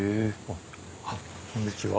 あっこんにちは。